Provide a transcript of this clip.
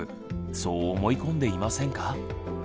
そう思い込んでいませんか？